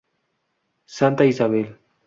Santa Isabel.